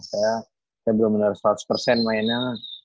saya bener bener seratus mainnya